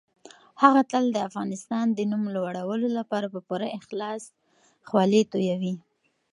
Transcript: هغه تل د افغانستان د نوم لوړولو لپاره په پوره اخلاص خولې تويوي.